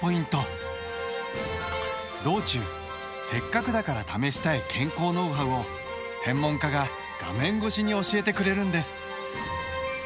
道中せっかくだから試したい健康ノウハウを専門家が画面越しに教えてくれるんです。